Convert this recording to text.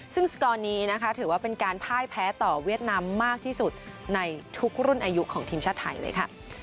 ซึ่งสกอร์นี้นะคะถือว่าเป็นการพ่ายแพ้ต่อเวียดนามมากที่สุดในทุกรุ่นอายุของทีมชาติไทยเลยค่ะ